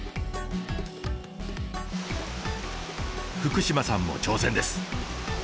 福島さんも挑戦です。